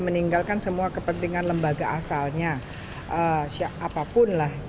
meninggalkan semua kepentingan lembaga asalnya apapun lah